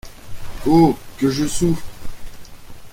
Oh ! que je souffre !…